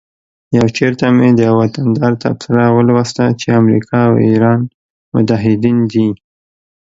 یو چیرته مې د یوه وطندار تبصره ولوسته چې امریکا او ایران متعهدین دي